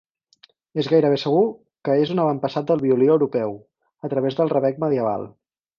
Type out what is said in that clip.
És gairebé segur que és un avantpassat del violí europeu, a través del rabec medieval.